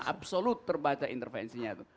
absolut terbaca intervensinya itu